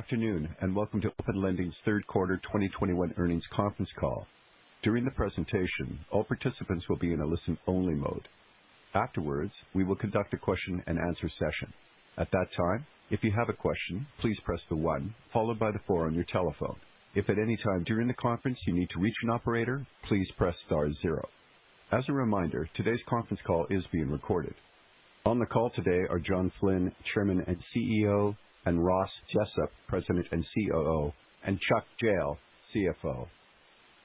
Afternoon, welcome to Open Lending's Q3 2021 Earnings Conference Call. During the presentation, all participants will be in a listen-only mode. Afterwards, we will conduct a Q&A session. At that time, if you have a question, please press one followed by four on your telephone. If at any time during the conference you need to reach an operator, please press star zero. As a reminder, today's conference call is being recorded. On the call today are John Flynn, Chairman and CEO, and Ross Jessup, President and COO, and Chuck Jehl, CFO.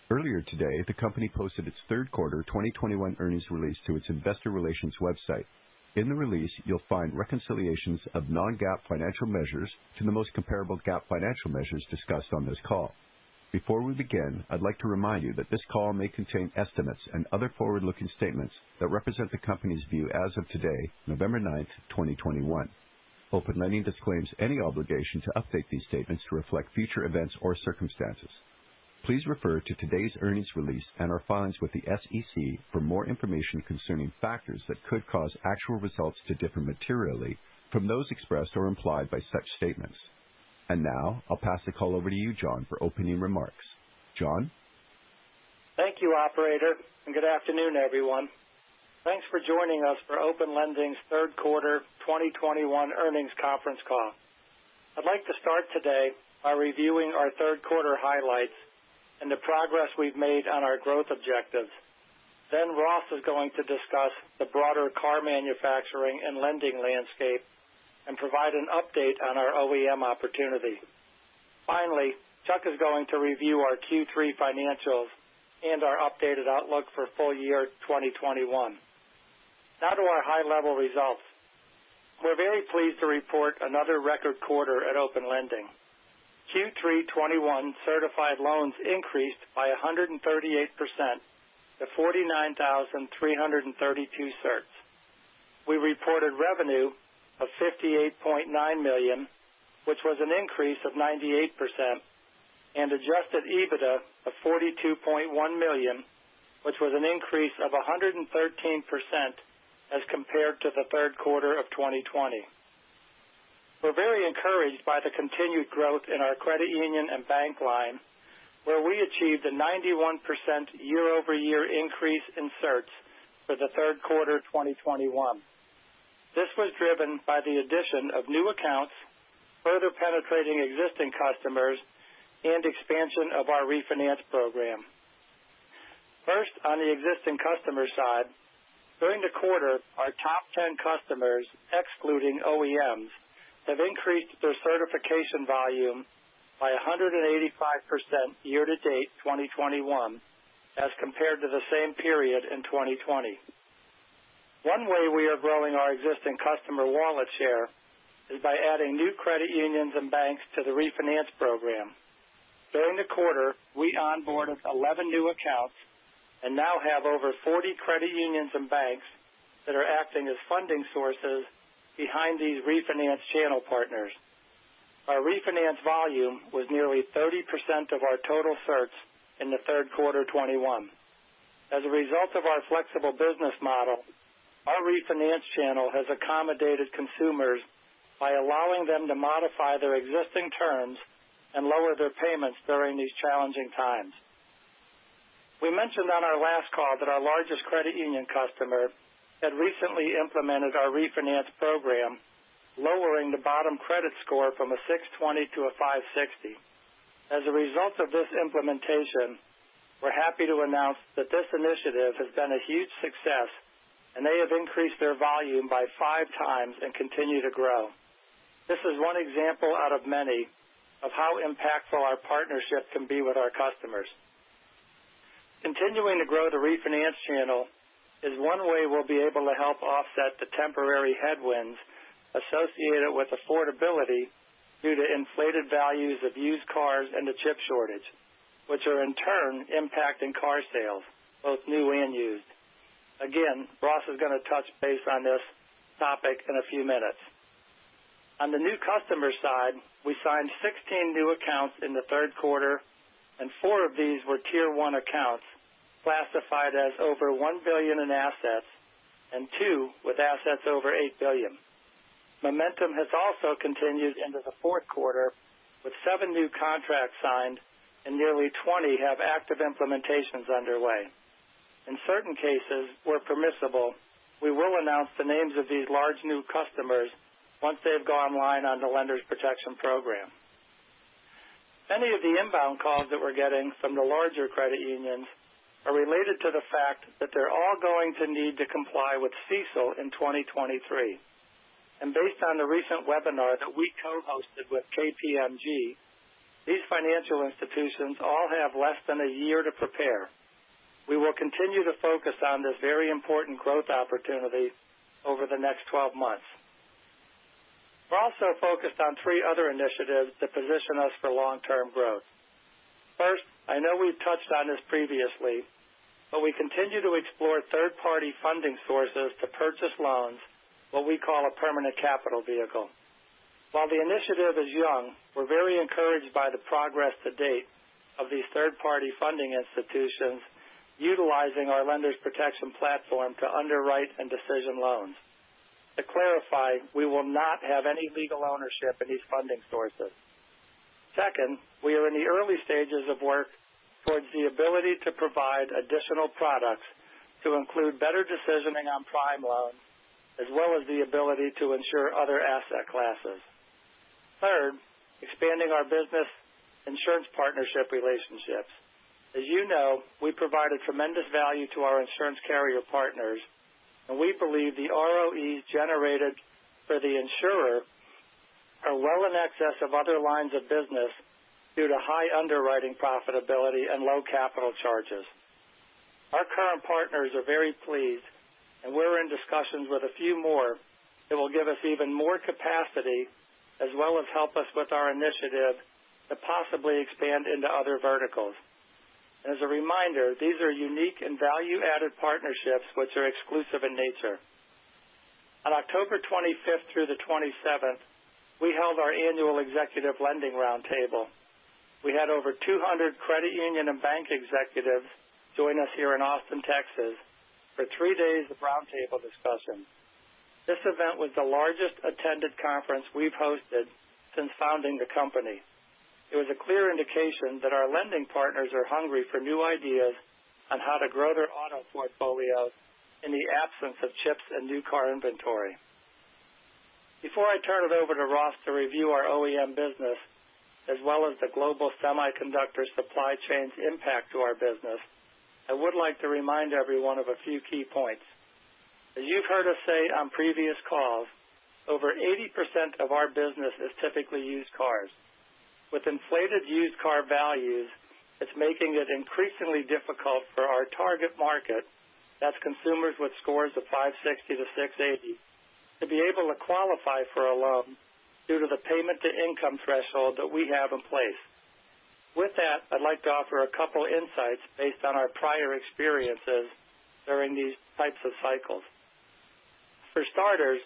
Earlier today, the company posted its Q3 2021 earnings release to its investor relations website. In the release, you'll find reconciliations of non-GAAP financial measures to the most comparable GAAP financial measures discussed on this call. Before we begin, I'd like to remind you that this call may contain estimates and other forward-looking statements that represent the company's view as of today, November 9th, 2021. Open Lending disclaims any obligation to update these statements to reflect future events or circumstances. Please refer to today's earnings release and our filings with the SEC for more information concerning factors that could cause actual results to differ materially from those expressed or implied by such statements. Now, I'll pass the call over to you, John, for opening remarks. John? Thank you, operator, and good afternoon, everyone. Thanks for joining us for Open Lending's Q3 2021 Earnings Conference Call. I'd like to start today by reviewing our Q3 highlights and the progress we've made on our growth objectives. Then Ross is going to discuss the broader car manufacturing and lending landscape and provide an update on our OEM opportunity. Finally, Chuck is going to review our Q3 financials and our updated outlook for full year 2021. Now to our high-level results. We're very pleased to report another record quarter at Open Lending. Q3 2021 certified loans increased by 138% to 49,332 certs. We reported revenue of $58.9 million, which was an increase of 98%. Adjusted EBITDA of $42.1 million, which was an increase of 113% as compared to the Q3 of 2020. We're very encouraged by the continued growth in our credit union and bank line, where we achieved a 91% year-over-year increase in certs for the Q3 2021. This was driven by the addition of new accounts, further penetrating existing customers, and expansion of our refinance program. First, on the existing customer side, during the quarter, our top 10 customers, excluding OEMs, have increased their certification volume by 185% year to date, 2021, as compared to the same period in 2020. One way we are growing our existing customer wallet share is by adding new credit unions and banks to the refinance program. During the quarter, we onboarded 11 new accounts and now have over 40 credit unions and banks that are acting as funding sources behind these refinance channel partners. Our refinance volume was nearly 30% of our total certs in the Q3 2021. As a result of our flexible business model, our refinance channel has accommodated consumers by allowing them to modify their existing terms and lower their payments during these challenging times. We mentioned on our last call that our largest credit union customer had recently implemented our refinance program, lowering the bottom credit score from a 620 to a 560. As a result of this implementation, we're happy to announce that this initiative has been a huge success, and they have increased their volume by 5 x and continue to grow. This is one example out of many of how impactful our partnership can be with our customers. Continuing to grow the refinance channel is one way we'll be able to help offset the temporary headwinds associated with affordability due to inflated values of used cars and the chip shortage, which are in turn impacting car sales, both new and used. Again, Ross is gonna touch base on this topic in a few minutes. On the new customer side, we signed 16 new accounts in the Q3, and four of these were tier one accounts, classified as over $1 billion in assets and two with assets over $8 billion. Momentum has also continued into the Q4, with seven new contracts signed and nearly 20 have active implementations underway. In certain cases where permissible, we will announce the names of these large new customers once they have gone online on the Lenders Protection Program. Many of the inbound calls that we're getting from the larger credit unions are related to the fact that they're all going to need to comply with CECL in 2023. Based on the recent webinar that we co-hosted with KPMG, these financial institutions all have less than a year to prepare. We will continue to focus on this very important growth opportunity over the next 12 months. We're also focused on three other initiatives that position us for long-term growth. First, I know we've touched on this previously, but we continue to explore third-party funding sources to purchase loans, what we call a permanent capital vehicle. While the initiative is young, we're very encouraged by the progress to date of these third-party funding institutions. Utilizing our Lenders Protection platform to underwrite and decisioning loans. To clarify, we will not have any legal ownership in these funding sources. Second, we are in the early stages of work towards the ability to provide additional products to include better decisioning on prime loans, as well as the ability to insure other asset classes. Third, expanding our business insurance partnership relationships. As you know, we provide a tremendous value to our insurance carrier partners, and we believe the ROE generated for the insurer are well in excess of other lines of business due to high underwriting profitability and low capital charges. Our current partners are very pleased, and we're in discussions with a few more that will give us even more capacity as well as help us with our initiative to possibly expand into other verticals. As a reminder, these are unique and value-added partnerships which are exclusive in nature. On October 25th through the 27th, we held our annual executive lending roundtable. We had over 200 credit union and bank executives join us here in Austin, Texas, for three days of roundtable discussions. This event was the largest attended conference we've hosted since founding the company. It was a clear indication that our lending partners are hungry for new ideas on how to grow their auto portfolios in the absence of chips and new car inventory. Before I turn it over to Ross to review our OEM business, as well as the global semiconductor supply chain's impact to our business, I would like to remind everyone of a few key points. As you've heard us say on previous calls, over 80% of our business is typically used cars. With inflated used car values, it's making it increasingly difficult for our target market, that's consumers with scores of 560 to 680, to be able to qualify for a loan due to the payment-to-income threshold that we have in place. With that, I'd like to offer a couple insights based on our prior experiences during these types of cycles. For starters,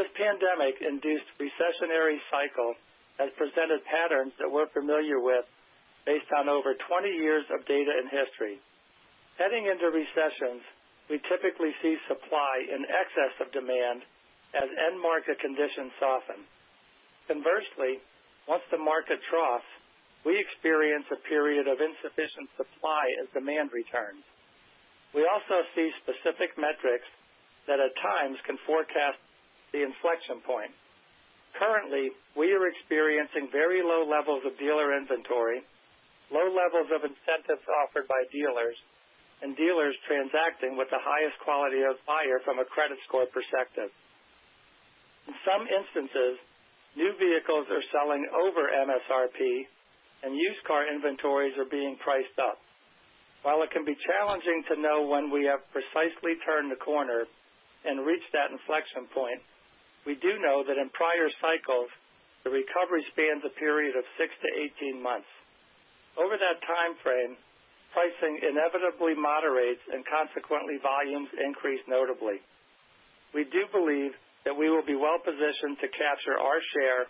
this pandemic-induced recessionary cycle has presented patterns that we're familiar with based on over 20 years of data and history. Heading into recessions, we typically see supply in excess of demand as end market conditions soften. Conversely, once the market troughs, we experience a period of insufficient supply as demand returns. We also see specific metrics that, at times, can forecast the inflection point. Currently, we are experiencing very low levels of dealer inventory, low levels of incentives offered by dealers, and dealers transacting with the highest quality of buyer from a credit score perspective. In some instances, new vehicles are selling over MSRP and used car inventories are being priced up. While it can be challenging to know when we have precisely turned the corner and reached that inflection point, we do know that in prior cycles, the recovery spans a period of six to 18 months. Over that timeframe, pricing inevitably moderates and consequently, volumes increase notably. We do believe that we will be well-positioned to capture our share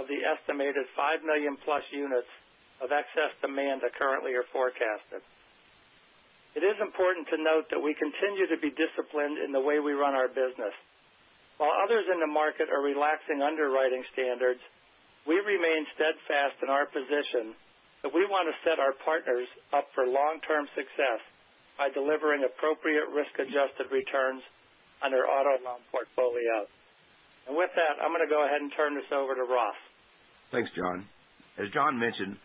of the estimated five million-plus units of excess demand that currently are forecasted. It is important to note that we continue to be disciplined in the way we run our business. While others in the market are relaxing underwriting standards, we remain steadfast in our position that we want to set our partners up for long-term success by delivering appropriate risk-adjusted returns on their auto loan portfolios. With that, I'm gonna go ahead and turn this over to Ross. Thanks, John. As John mentioned,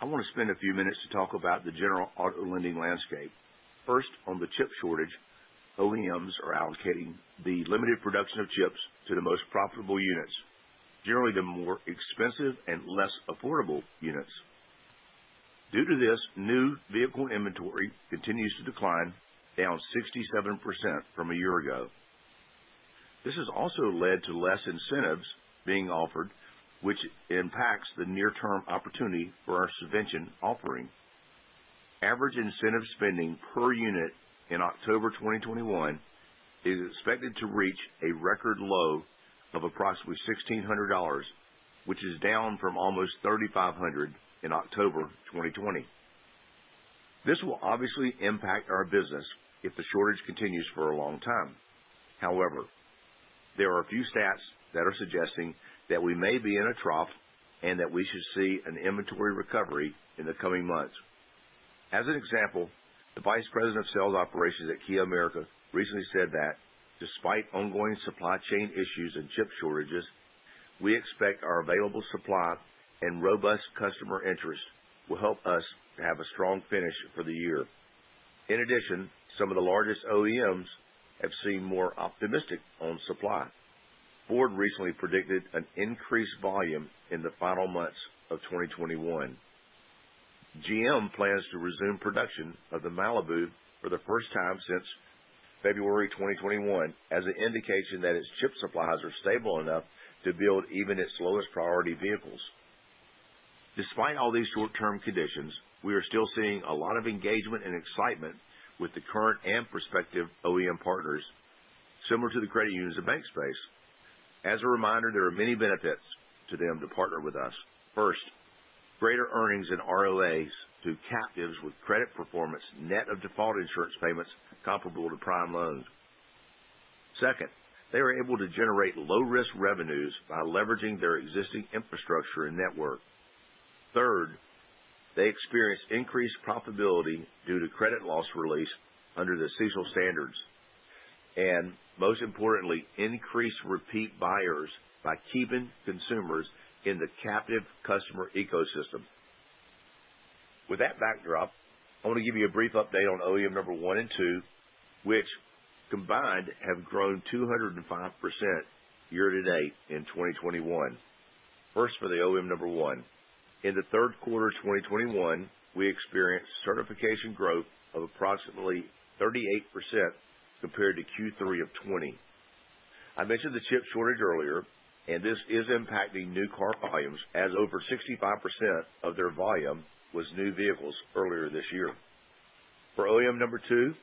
I wanna spend a few minutes to talk about the general auto lending landscape. First, on the chip shortage, OEMs are allocating the limited production of chips to the most profitable units, generally the more expensive and less affordable units. Due to this, new vehicle inventory continues to decline, down 67% from a year ago. This has also led to less incentives being offered, which impacts the near-term opportunity for our subvention offering. Average incentive spending per unit in October 2021 is expected to reach a record low of approximately $1,600, which is down from almost $3,500 in October 2020. This will obviously impact our business if the shortage continues for a long time. However, there are a few stats that are suggesting that we may be in a trough and that we should see an inventory recovery in the coming months. As an example, the vice president of sales operations at Kia America recently said that, "Despite ongoing supply chain issues and chip shortages, we expect our available supply and robust customer interest will help us to have a strong finish for the year." In addition, some of the largest OEMs have seemed more optimistic on supply. Ford recently predicted an increased volume in the final months of 2021. GM plans to resume production of the Malibu for the first time since February 2021 as an indication that its chip supplies are stable enough to build even its lowest priority vehicles. Despite all these short-term conditions, we are still seeing a lot of engagement and excitement with the current and prospective OEM partners, similar to the credit unions and bank space. As a reminder, there are many benefits to them to partner with us. First, greater earnings in ROAs through captives with credit performance net of default insurance payments comparable to prime loans. Second, they were able to generate low-risk revenues by leveraging their existing infrastructure and network. Third, they experienced increased profitability due to credit loss release under the CECL standards. Most importantly, increase repeat buyers by keeping consumers in the captive customer ecosystem. With that backdrop, I want to give you a brief update on OEM number one and two, which combined have grown 205% year to date in 2021. First, for the OEM number one. In the Q3 of 2021, we experienced certification growth of approximately 38% compared to Q3 of 2020. I mentioned the chip shortage earlier, and this is impacting new car volumes as over 65% of their volume was new vehicles earlier this year. For OEM number two,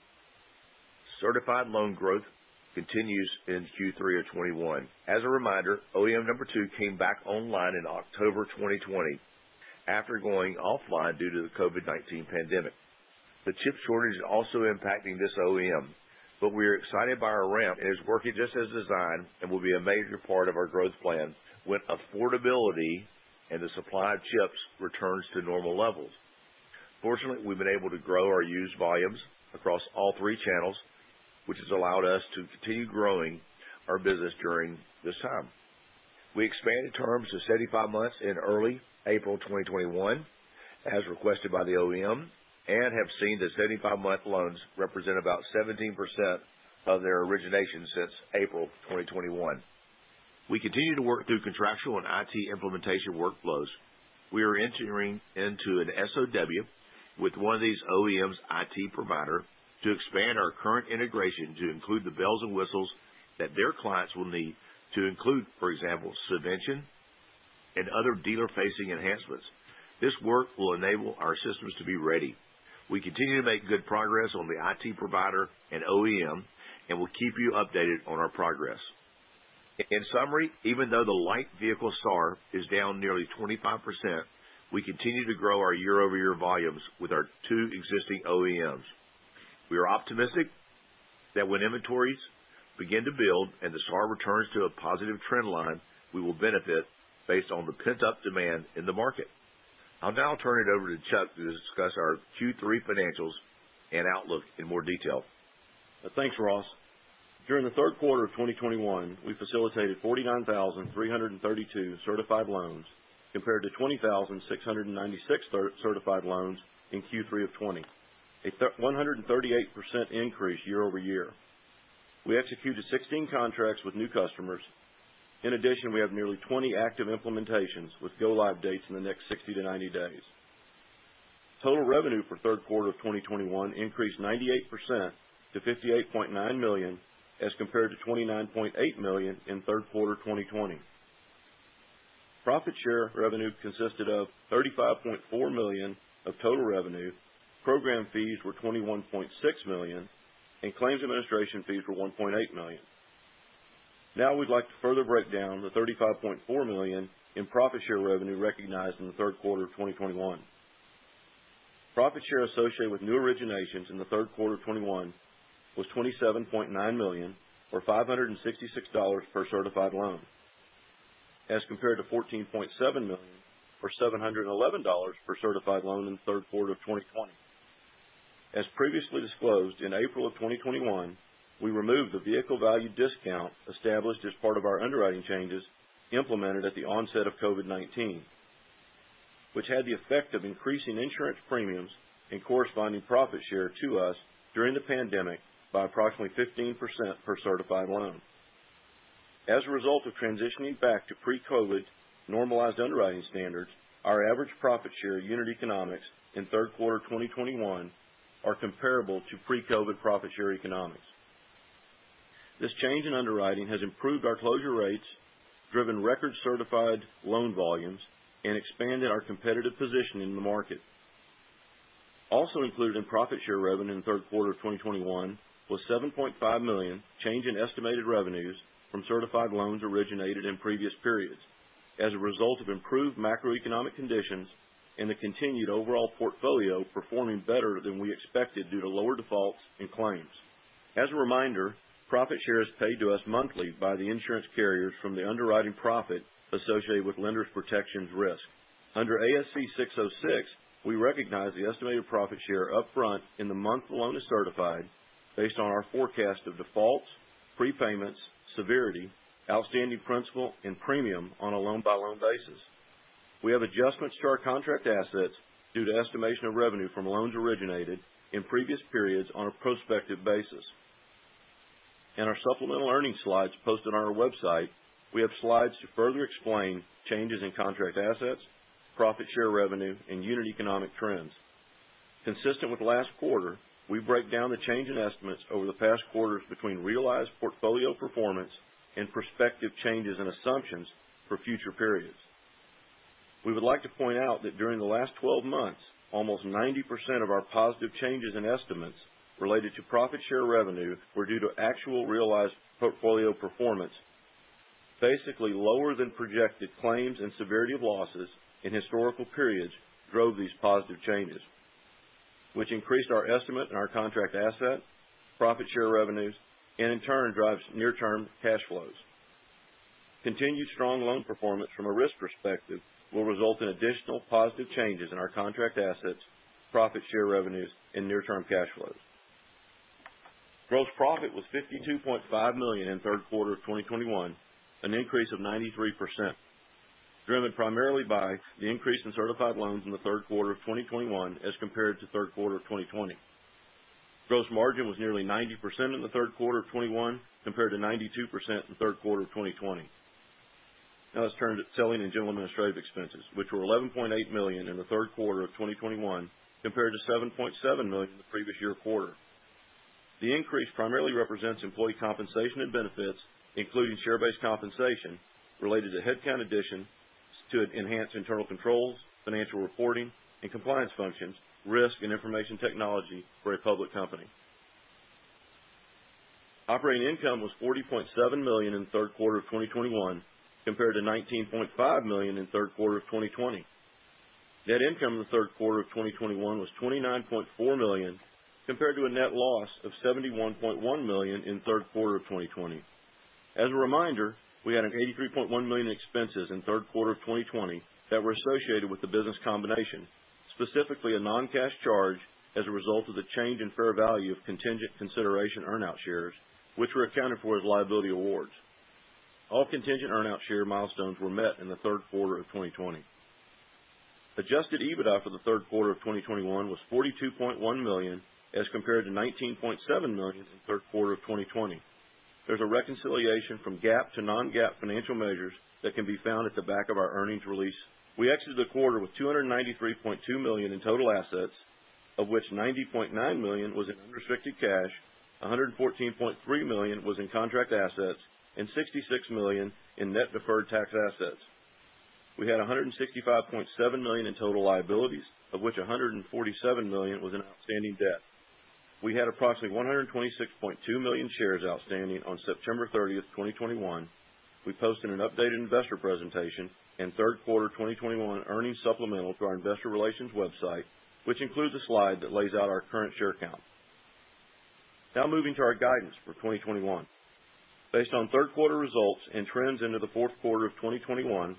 certified loan growth continues in Q3 of 2021. As a reminder, OEM number two came back online in October 2020, after going offline due to the COVID-19 pandemic. The chip shortage is also impacting this OEM, but we are excited by our ramp, and it's working just as designed and will be a major part of our growth plan when affordability and the supply of chips returns to normal levels. Fortunately, we've been able to grow our used volumes across all three channels, which has allowed us to continue growing our business during this time. We expanded terms to 75 months in early April 2021, as requested by the OEM, and have seen the 75-month loans represent about 17% of their origination since April 2021. We continue to work through contractual and IT implementation workflows. We are entering into an SOW with one of these OEM's IT provider to expand our current integration to include the bells and whistles that their clients will need to include, for example, subvention and other dealer-facing enhancements. This work will enable our systems to be ready. We continue to make good progress on the IT provider and OEM, and we'll keep you updated on our progress. In summary, even though the light vehicle SAAR is down nearly 25%, we continue to grow our year-over-year volumes with our two existing OEMs. We are optimistic that when inventories begin to build and the SAAR returns to a positive trend line, we will benefit based on the pent-up demand in the market. I'll now turn it over to Chuck to discuss our Q3 financials and outlook in more detail. Thanks, Ross. During the Q3 of 2021, we facilitated 49,332 certified loans compared to 20,696 certified loans in Q3 of 2020. A 138% increase year-over-year. We executed 16 contracts with new customers. In addition, we have nearly 20 active implementations with go-live dates in the next 60 to 90 days. Total revenue for Q3 of 2021 increased 98% to $58.9 million as compared to $29.8 million in Q3 of 2020. Profit share revenue consisted of $35.4 million of total revenue. Program fees were $21.6 million. Claims administration fees were $1.8 million. Now we'd like to further break down the $35.4 million in profit share revenue recognized in the Q3 of 2021. Profit share associated with new originations in the Q3 of 2021 was $27.9 million, or $566 per certified loan, as compared to $14.7 million or $711 per certified loan in the Q3 of 2020. As previously disclosed, in April of 2021, we removed the vehicle value discount established as part of our underwriting changes implemented at the onset of COVID-19, which had the effect of increasing insurance premiums and corresponding profit share to us during the pandemic by approximately 15% per certified loan. As a result of transitioning back to pre-COVID normalized underwriting standards, our average profit share unit economics in Q3 of 2021 are comparable to pre-COVID profit share economics. This change in underwriting has improved our closure rates, driven record-certified loan volumes, and expanded our competitive position in the market. Also included in profit share revenue in the Q3 of 2021 was $7.5 million change in estimated revenues from certified loans originated in previous periods as a result of improved macroeconomic conditions and the continued overall portfolio performing better than we expected due to lower defaults and claims. As a reminder, profit share is paid to us monthly by the insurance carriers from the underwriting profit associated with Lenders Protection's risk. Under ASC 606, we recognize the estimated profit share up front in the month the loan is certified based on our forecast of defaults, prepayments, severity, outstanding principal, and premium on a loan-by-loan basis. We have adjustments to our contract assets due to estimation of revenue from loans originated in previous periods on a prospective basis. In our supplemental earnings slides posted on our website, we have slides to further explain changes in contract assets, profit share revenue, and unit economic trends. Consistent with last quarter, we break down the change in estimates over the past quarters between realized portfolio performance and prospective changes and assumptions for future periods. We would like to point out that during the last 12 months, almost 90% of our positive changes in estimates related to profit share revenue were due to actual realized portfolio performance. Basically, lower than projected claims and severity of losses in historical periods drove these positive changes, which increased our estimate and our contract asset, profit share revenues, and in turn drives near-term cash flows. Continued strong loan performance from a risk perspective will result in additional positive changes in our contract assets, profit share revenues, and near-term cash flows. Gross profit was $52.5 million in Q3 of 2021, an increase of 93%, driven primarily by the increase in certified loans in the Q3 of 2021 as compared to Q3 of 2020. Gross margin was nearly 90% in the Q3 of 2021 compared to 92% in the Q3 of 2020. Now let's turn to selling and general administrative expenses, which were $11.8 million in the Q3 of 2021 compared to $7.7 million in the previous year quarter. The increase primarily represents employee compensation and benefits, including share-based compensation related to headcount additions to enhance internal controls, financial reporting, and compliance functions, risk, and information technology for a public company. Operating income was $40.7 million in the Q3 of 2021 compared to $19.5 million in Q3 of 2020. Net income in the Q3 of 2021 was $29.4 million compared to a net loss of $71.1 million in Q3 of 2020. As a reminder, we had $83.1 million expenses in Q3 of 2020 that were associated with the business combination, specifically a non-cash charge as a result of the change in fair value of contingent consideration earn-out shares, which were accounted for as liability awards. All contingent earn-out share milestones were met in the Q3 of 2020. Adjusted EBITDA for the Q3 of 2021 was $42.1 million as compared to $19.7 million in the Q3 of 2020. There's a reconciliation from GAAP to non-GAAP financial measures that can be found at the back of our earnings release. We exited the quarter with $293.2 million in total assets, of which $90.9 million was in unrestricted cash, $114.3 million was in contract assets, and $66 million in net deferred tax assets. We had $165.7 million in total liabilities, of which $147 million was in outstanding debt. We had approximately 126.2 million shares outstanding on September 30th, 2021. We posted an updated investor presentation and Q3 2021 earnings supplemental to our investor relations website, which includes a slide that lays out our current share count. Now moving to our guidance for 2021. Based on Q3 results and trends into the Q4 of 2021,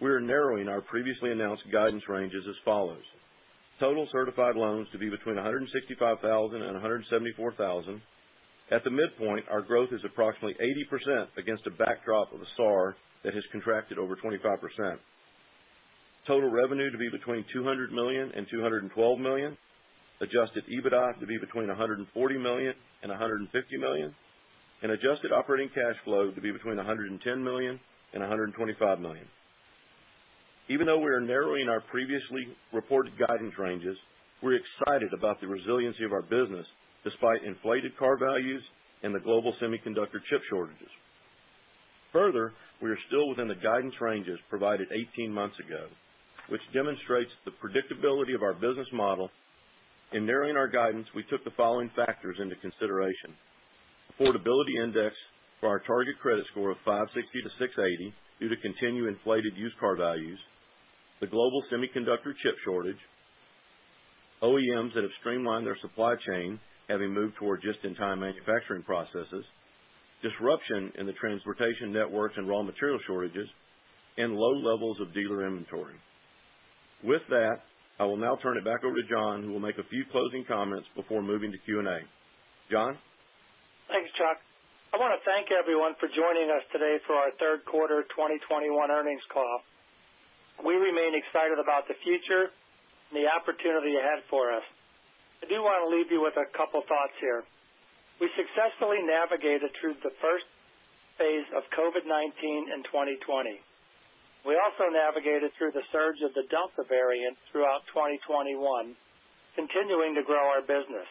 we are narrowing our previously announced guidance ranges as follows. Total certified loans to be between 165,000 and 174,000. At the midpoint, our growth is approximately 80% against a backdrop of a SAAR that has contracted over 25%. Total revenue to be between $200 million and $212 million. Adjusted EBITDA to be between $140 million and $150 million. Adjusted operating cash flow to be between $110 million and $125 million. Even though we are narrowing our previously reported guidance ranges, we're excited about the resiliency of our business despite inflated car values and the global semiconductor chip shortages. Further, we are still within the guidance ranges provided 18 months ago, which demonstrates the predictability of our business model. In narrowing our guidance, we took the following factors into consideration. Affordability index for our target credit score of 560 to 680 due to continued inflated used car values, the global semiconductor chip shortage, OEMs that have streamlined their supply chain, having moved toward just-in-time manufacturing processes, disruption in the transportation networks and raw material shortages, and low levels of dealer inventory. With that, I will now turn it back over to John, who will make a few closing comments before moving to Q&A. John. Thanks, Chuck. I wanna thank everyone for joining us today for our Q3 2021 earnings call. We remain excited about the future and the opportunity ahead for us. I do wanna leave you with a couple thoughts here. We successfully navigated through the first phase of COVID-19 in 2020. We also navigated through the surge of the Delta variant throughout 2021, continuing to grow our business.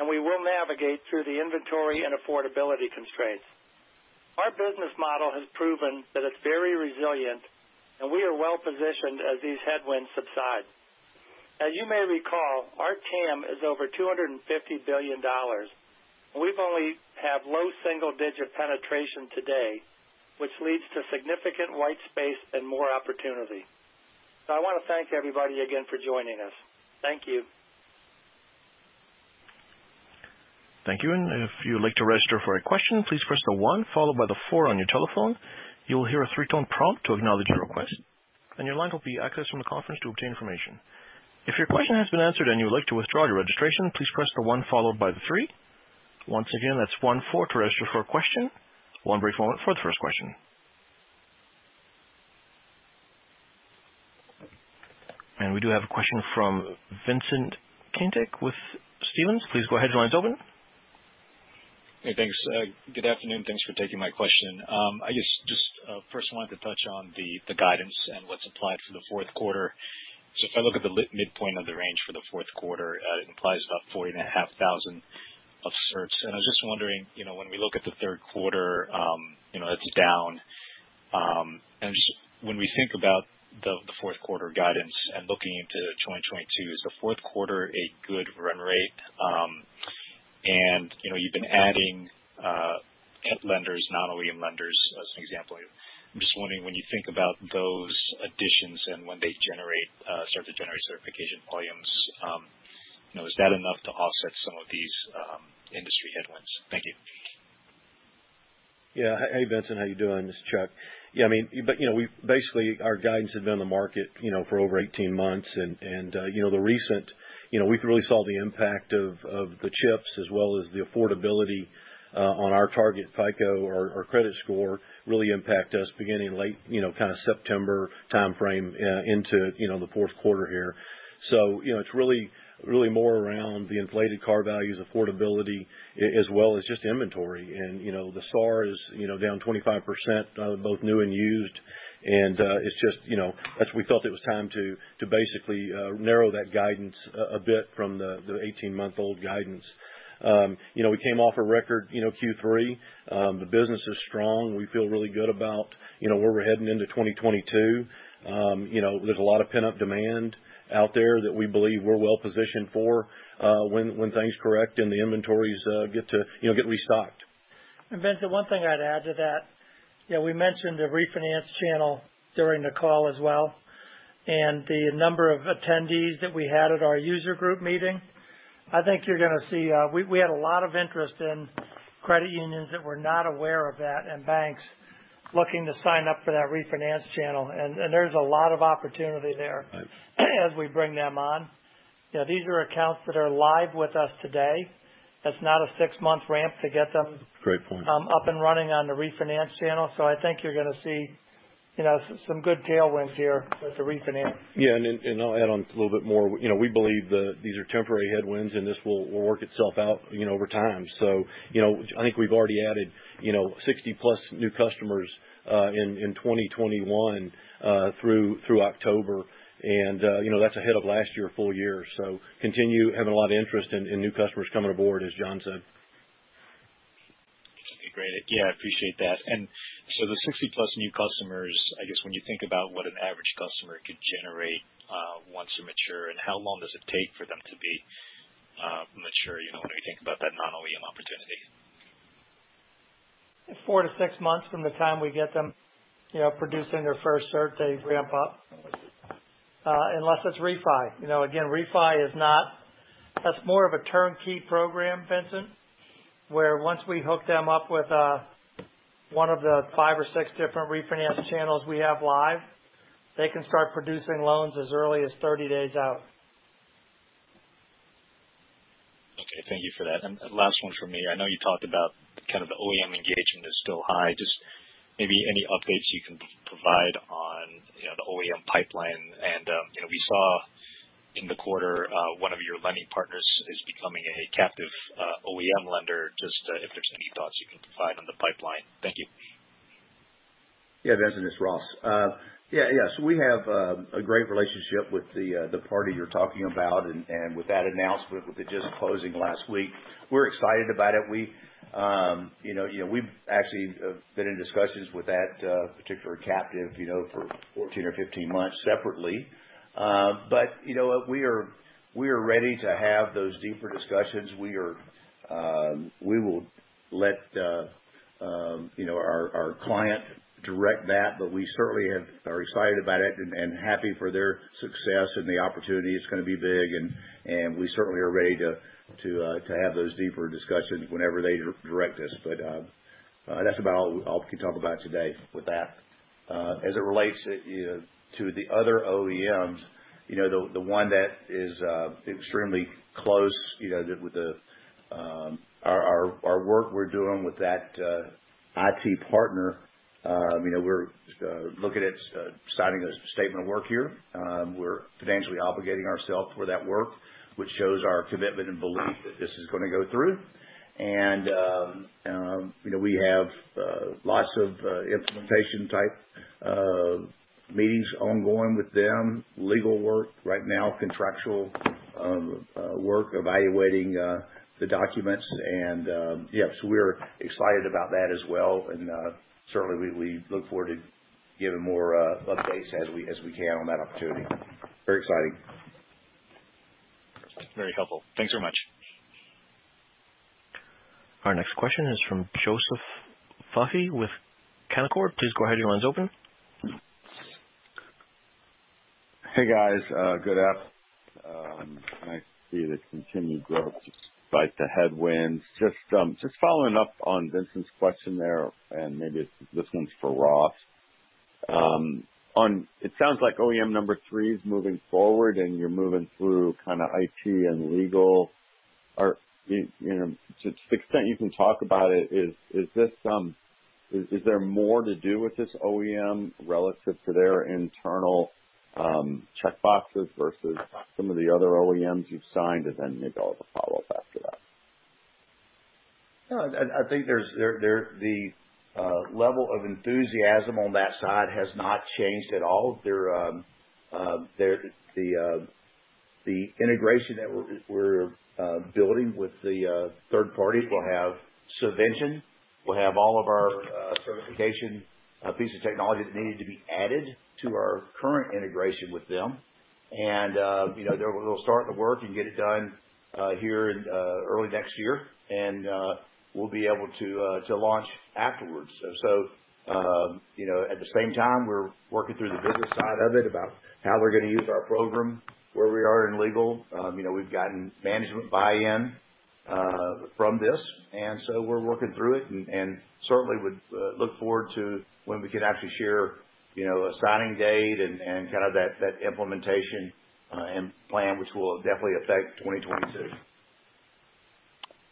We will navigate through the inventory and affordability constraints. Our business model has proven that it's very resilient, and we are well-positioned as these headwinds subside. As you may recall, our TAM is over $250 billion. We only have low single-digit penetration today, which leads to significant white space and more opportunity. I wanna thank everybody again for joining us. Thank you. Thank you. If you would like to register for a question, please press the one followed by the four on your telephone. You will hear a three-tone prompt to acknowledge your request, and your line will be accessed from the conference to obtain information. If your question has been answered and you would like to withdraw your registration, please press the one followed by the three. Once again, that's one, four to register for a question. One brief moment for the first question. We do have a question from Vincent Caintic with Stephens Inc.. Please go ahead. Your line is open. Good afternoon. Thanks for taking my question. I just first wanted to touch on the guidance and what's applied for the Q4. So if I look at the midpoint of the range for the Q4, it implies about 40,500 certs. I was just wondering, you know, when we look at the Q3, you know, it's down, and just when we think about the Q4 guidance and looking into 2022, is the Q4 a good run rate? You know, you've been adding lenders, non-OEM lenders, as an example. I'm just wondering when you think about those additions and when they start to generate certification volumes, you know, is that enough to offset some of these industry headwinds? Thank you. Yeah. Hey, Vincent, how you doing? This is Chuck. I mean, we've basically our guidance had been on the market for over 18 months. We really saw the impact of the chips as well as the affordability on our target FICO or credit score really impact us beginning late kinda September timeframe into the Q4 here. It's really more around the inflated car values, affordability as well as just inventory. The SAAR is down 25% on both new and used. It's just that's why we felt it was time to basically narrow that guidance a bit from the eighteen-month-old guidance. You know, we came off a record, you know, Q3. The business is strong. We feel really good about, you know, where we're heading into 2022. You know, there's a lot of pent-up demand out there that we believe we're well positioned for, when things correct and the inventories get to, you know, get restocked. Vincent, one thing I'd add to that. You know, we mentioned the refinance channel during the call as well, and the number of attendees that we had at our user group meeting. I think you're gonna see, we had a lot of interest in credit unions that were not aware of that and banks looking to sign up for that refinance channel. There's a lot of opportunity there Right. as we bring them on. You know, these are accounts that are live with us today. That's not a six-month ramp to get them Great point. up and running on the refinance channel. I think you're gonna see, you know, some good tailwinds here with the refinance. Yeah. I'll add on a little bit more. You know, we believe these are temporary headwinds, and this will work itself out, you know, over time. You know, I think we've already added, you know, 60+ new customers in 2021 through October. You know, that's ahead of last year full year. Continue having a lot of interest in new customers coming aboard, as John said. Okay, great. Yeah, I appreciate that. The 60-plus new customers, I guess when you think about what an average customer could generate, once you're mature, and how long does it take for them to be mature, you know, when you think about that non-OEM opportunity? It's four to six months from the time we get them, you know, producing their first cert, they ramp up. Unless it's refi. You know, again, refi is not. That's more of a turnkey program, Vincent, where once we hook them up with one of the five or six different refinance channels we have live, they can start producing loans as early as 30 days out. Okay. Thank you for that. Last one from me. I know you talked about kind of the OEM engagement is still high. Just maybe any updates you can provide on, you know, the OEM pipeline. You know, we saw in the quarter, one of your lending partners is becoming a captive, OEM lender. Just, if there's any thoughts you can provide on the pipeline. Thank you. Yeah, Vincent, it's Ross. Yeah. Yeah. We have a great relationship with the party you're talking about and with that announcement with the just closing last week. We're excited about it. We, you know, we've actually been in discussions with that particular captive, you know, for 14 or 15 months separately. You know what? We are ready to have those deeper discussions. We will let, you know, our client direct that. We certainly are excited about it and happy for their success and the opportunity. It's gonna be big, and we certainly are ready to have those deeper discussions whenever they direct us. That's about all I can talk about today with that. As it relates, you know, to the other OEMs, you know, the one that is extremely close, you know, with our work we're doing with that IT partner, you know, we're looking at signing a statement of work here. We're financially obligating ourselves for that work, which shows our commitment and belief that this is gonna go through. You know, we have lots of implementation type meetings ongoing with them, legal work right now, contractual work evaluating the documents. Yeah, we're excited about that as well. Certainly, we look forward to giving more updates as we can on that opportunity. Very exciting. Very helpful. Thanks very much. Our next question is from Joseph Vafi with Canaccord Genuity. Please go ahead. Your line's open. Hey, guys. Nice to see the continued growth despite the headwinds. Just following up on Vincent's question there, and maybe this one's for Ross. It sounds like OEM number three is moving forward, and you're moving through kinda IT and legal. You know, to the extent you can talk about it, is there more to do with this OEM relative to their internal checkboxes versus some of the other OEMs you've signed? Maybe I'll have a follow-up after that. No, I think the level of enthusiasm on that side has not changed at all. The integration that we're building with the third parties will have subvention, will have all of our certification piece of technology that needed to be added to our current integration with them. You know, we'll start the work and get it done here in early next year. We'll be able to launch afterwards. You know, at the same time, we're working through the business side of it about how we're gonna use our program, where we are in legal. You know, we've gotten management buy-in from this, and so we're working through it and certainly would look forward to when we can actually share, you know, a signing date and kind of that implementation and plan, which will definitely affect 2022.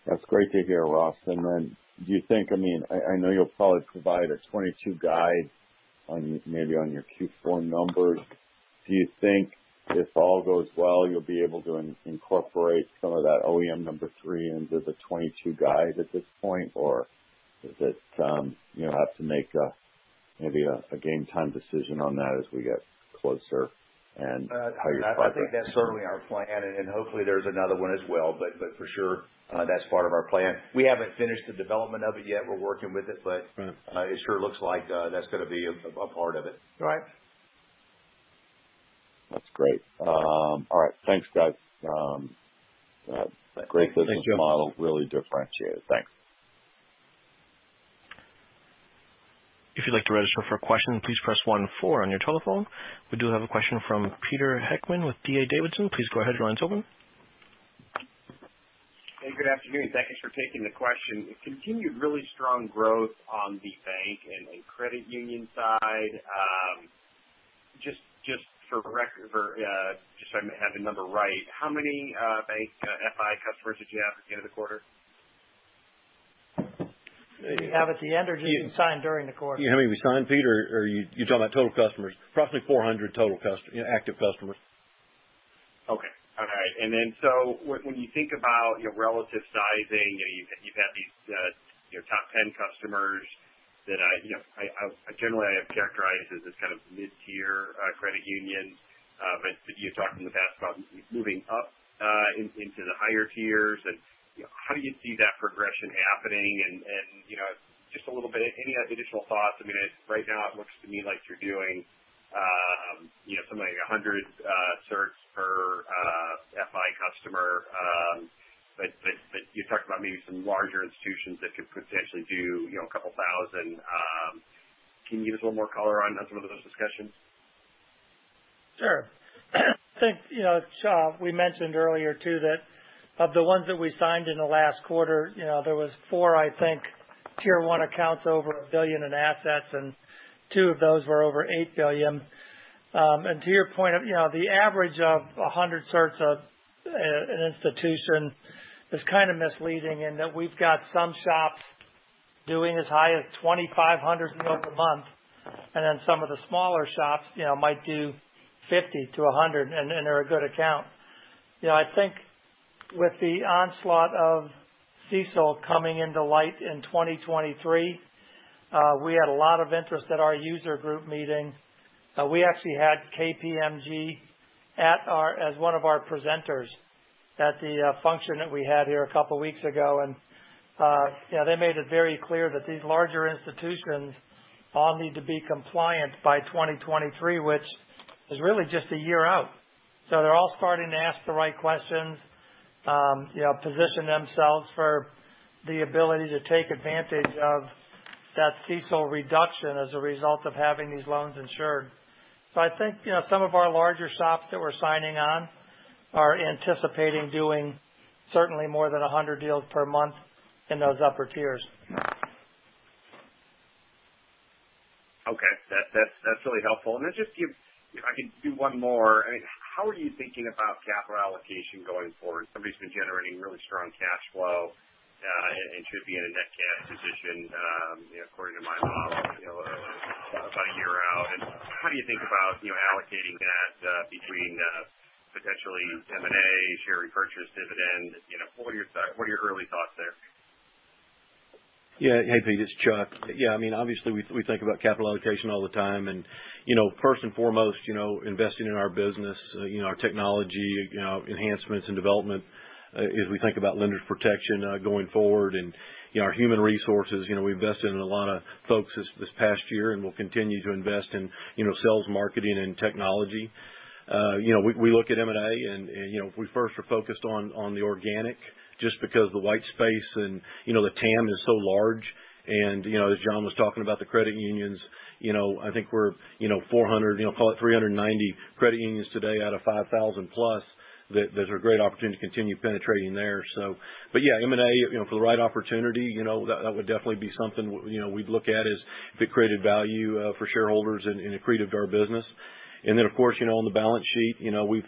That's great to hear, Ross. Do you think, I mean, I know you'll probably provide a 2022 guide maybe on your Q4 numbers. Do you think if all goes well, you'll be able to incorporate some of that OEM number three into the 2022 guide at this point? Or is it, you know, have to make a maybe a game time decision on that as we get closer and how you're progressing? I think that's certainly our plan and hopefully there's another one as well. For sure, that's part of our plan. We haven't finished the development of it yet. We're working with it, but Right. It sure looks like that's gonna be a part of it. Right. That's great. All right, thanks, guys. Great business model. Thank you. Really differentiates. Thanks. If you will like to ask a question, please press one four on your telephone. We do have a question from Peter Heckmann with D.A. Davidson. Please go ahead. Your line's open. Hey, good afternoon. Thank you for taking the question. Continued really strong growth on the bank and credit union side. Just so I have the number right. How many bank FI customers did you have at the end of the quarter? We have at the end or just signed during the quarter? You know how many we signed, Peter? Or you're talking about total customers? Roughly 400 total active customers. Okay. All right. When you think about your relative sizing, you know, you've had these top 10 customers that I generally have characterized as this kind of mid-tier credit union. But you've talked in the past about moving up into the higher tiers. You know, how do you see that progression happening? You know, just a little bit, any other additional thoughts? I mean, right now it looks to me like you're doing you know, something like 100 certs per FI customer. But you talked about maybe some larger institutions that could potentially do a couple thousand. Can you give us a little more color on some of those discussions? Sure. I think, you know, Chuck, we mentioned earlier, too, that of the ones that we signed in the last quarter, you know, there were four, I think, Tier 1 accounts over $1 billion in assets, and two of those were over $8 billion. And to your point of, you know, the average of 100 certs of an institution is kind of misleading in that we've got some shops doing as high as 2,500 deals a month, and then some of the smaller shops, you know, might do 50-100, and they're a good account. You know, I think with the onslaught of CECL coming to light in 2023, we had a lot of interest at our user group meeting. We actually had KPMG as one of our presenters at the function that we had here a couple weeks ago. Yeah, they made it very clear that these larger institutions all need to be compliant by 2023, which is really just a year out. They're all starting to ask the right questions, you know, position themselves for the ability to take advantage of that CECL reduction as a result of having these loans insured. I think, you know, some of our larger shops that we're signing on are anticipating doing certainly more than 100 deals per month in those upper tiers. Okay. That's really helpful. If I could do one more. I mean, how are you thinking about capital allocation going forward? Somebody's been generating really strong cash flow, and should be in a net cash position, you know, according to my model, you know, about a year out. How do you think about, you know, allocating that, between potentially M&A, share repurchase, dividend? You know, what are your early thoughts there? Yeah. Hey, Pete, it's Chuck. Yeah, I mean, obviously we think about capital allocation all the time and, you know, first and foremost, you know, investing in our business, you know, our technology, you know, enhancements and development, as we think about Lenders Protection going forward. You know, our human resources, you know, we invested in a lot of folks this past year and will continue to invest in, you know, sales, marketing, and technology. You know, we look at M&A and, you know, we first are focused on the organic just because the white space and, you know, the TAM is so large. You know, as John was talking about the credit unions, you know, I think we're, you know, 400, you know, call it 390 credit unions today out of 5,000 plus, that there's a great opportunity to continue penetrating there. Yeah, M&A, you know, for the right opportunity, you know, that would definitely be something we would look at as it created value for shareholders and accretive to our business. Then of course, you know, on the balance sheet, you know, we've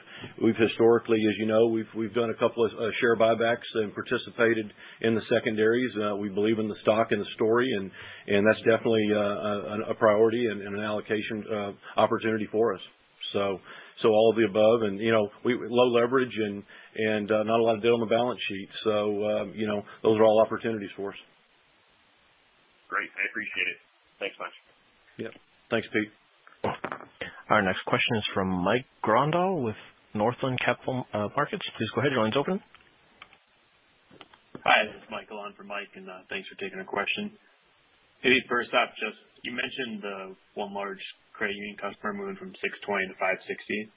historically, as you know, we've done a couple of share buybacks and participated in the secondaries. We believe in the stock and the story and that's definitely a priority and an allocation opportunity for us. All of the above and, you know, low leverage and not a lot of debt on the balance sheet. You know, those are all opportunities for us. Great. I appreciate it. Thanks much. Yeah. Thanks, Pete. Our next question is from Mike Grondahl with Northland Capital Markets. Please go ahead. Your line's open. Hi, this is Mike Grondahl, and thanks for taking a question. Maybe first off, just you mentioned the one large credit union customer moving from 620 to 560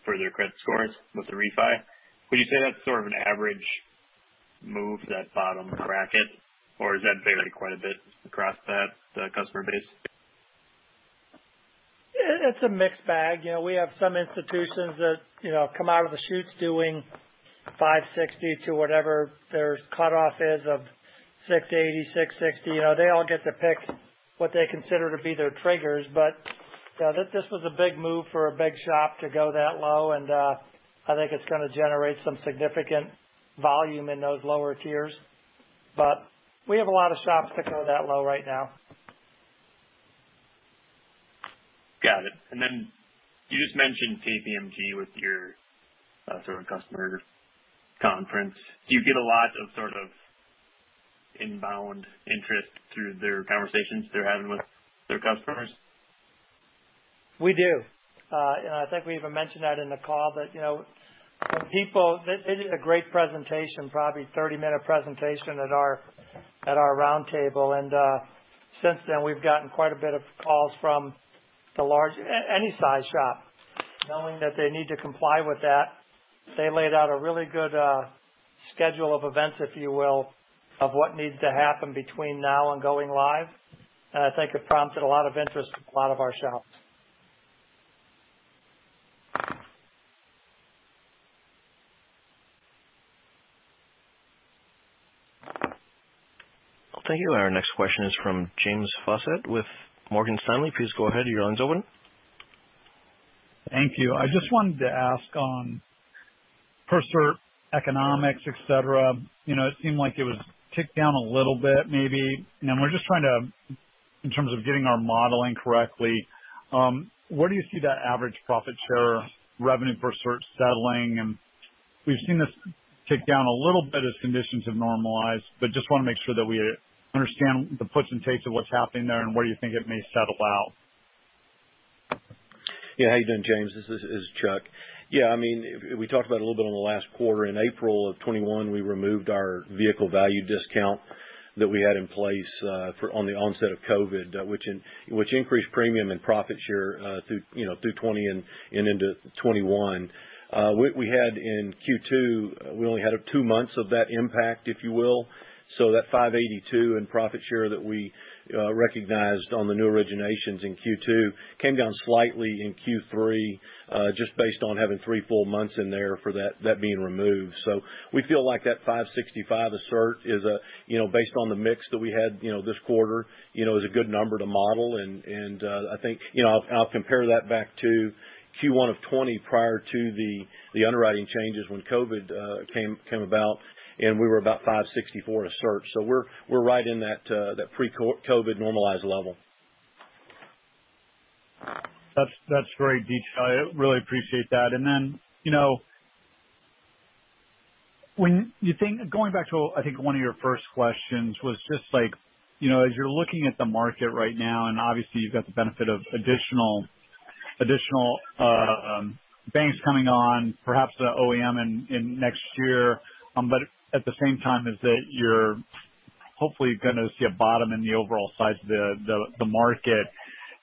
for their credit scores with the refi. Would you say that's sort of an average move, that bottom bracket? Or does that vary quite a bit across the customer base? It's a mixed bag. You know, we have some institutions that, you know, come out of the chutes doing 560 to whatever their cutoff is of 680, 660. You know, they all get to pick what they consider to be their triggers. You know, this was a big move for a big shop to go that low. I think it's gonna generate some significant volume in those lower tiers. We have a lot of shops that go that low right now. Got it. You just mentioned KPMG with your sort of customer conference. Do you get a lot of sort of inbound interest through their conversations they're having with their customers? We do. I think we even mentioned that in the call. You know, people. They did a great presentation, probably 30-minute presentation at our roundtable. Since then, we've gotten quite a bit of calls from the large any size shop, knowing that they need to comply with that. They laid out a really good schedule of events, if you will, of what needs to happen between now and going live. I think it prompted a lot of interest from a lot of our shops. Thank you. Our next question is from James Faucette with Morgan Stanley. Please go ahead. Your line's open. Thank you. I just wanted to ask on per cert economics, et cetera. You know, it seemed like it was ticked down a little bit maybe. You know, we're just trying to, in terms of getting our modeling correctly, where do you see that average profit share revenue per cert settling? We've seen this tick down a little bit as conditions have normalized, but just wanna make sure that we understand the puts and takes of what's happening there and where you think it may settle out. Yeah. How you doing, James? This is Chuck. Yeah, I mean, we talked about a little bit on the last quarter. In April 2021, we removed our vehicle value discount that we had in place for on the onset of COVID, which increased premium and profit share through, you know, through 2020 and into 2021. We had in Q2, we only had two months of that impact, if you will. So that $582 in profit share that we recognized on the new originations in Q2 came down slightly in Q3, just based on having three full months in there for that being removed. So we feel like that $565 is a, you know, based on the mix that we had, you know, this quarter, you know, is a good number to model. I think, you know, I'll compare that back to Q1 of 2020 prior to the underwriting changes when COVID came about, and we were about 564 SAAR. We're right in that pre-COVID normalized level. That's very detailed. I really appreciate that. You know, when you think, going back to, I think one of your first questions was just like, you know, as you're looking at the market right now, and obviously you've got the benefit of additional banks coming on, perhaps the OEM in next year, but at the same time you're hopefully gonna see a bottom in the overall size of the market.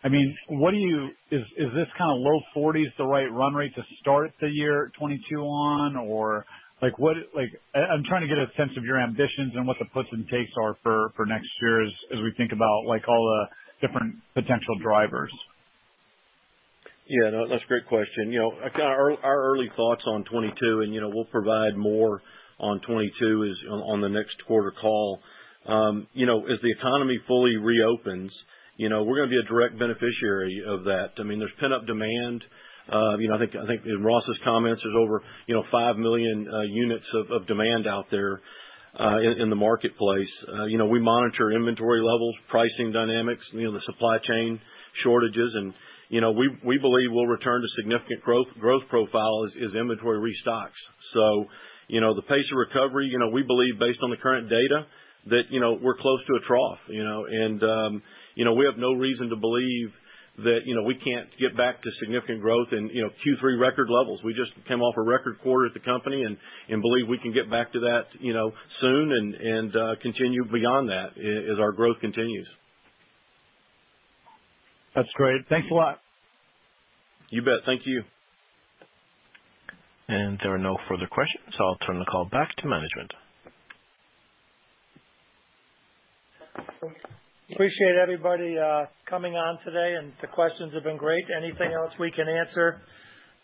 I mean, what do you. Is this kind of low 40s the right run rate to start the year 2022 on? Or like, what. Like, I'm trying to get a sense of your ambitions and what the puts and takes are for next year as we think about, like, all the different potential drivers. Yeah. No, that's a great question. You know, again, our early thoughts on 2022, and you know, we'll provide more on 2022 on the next quarter call. You know, as the economy fully reopens, you know, we're gonna be a direct beneficiary of that. I mean, there's pent-up demand. You know, I think in Ross's comments, there's over five million units of demand out there in the marketplace. You know, we monitor inventory levels, pricing dynamics, you know, the supply chain shortages, and you know, we believe we'll return to significant growth profile as inventory restocks. You know, the pace of recovery, you know, we believe based on the current data that you know, we're close to a trough, you know? you know, we have no reason to believe that, you know, we can't get back to significant growth in, you know, Q3 record levels. We just came off a record quarter as a company and continue beyond that as our growth continues. That's great. Thanks a lot. You bet. Thank you. There are no further questions, so I'll turn the call back to management. Appreciate everybody coming on today, and the questions have been great. Anything else we can answer,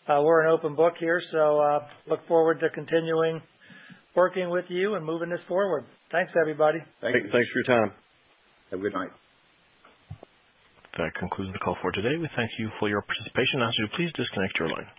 we're an open book here. Look forward to continuing working with you and moving this forward. Thanks, everybody. Thank you. Thanks for your time. Have a good night. That concludes the call for today. We thank you for your participation. I ask that you please disconnect your line.